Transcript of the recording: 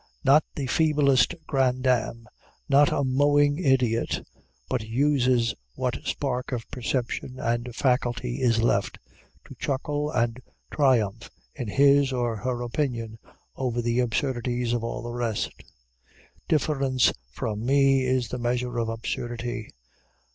Not the feeblest grandame, not a mowing idiot, but uses what spark of perception and faculty is left, to chuckle and triumph in his or her opinion over the absurdities of all the rest. Difference from me is the measure of absurdity.